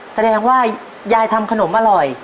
แสดงว่ายายทำขนมอร่อย